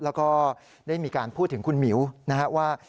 แล้วก็ได้มีการพูดถึงคุณหมิวนะครับว่า